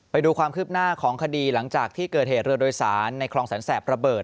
ไปดูความคืบหน้าของคดีหลังจากที่เกิดเหตุเรือโดยสารในคลองแสนแสบระเบิด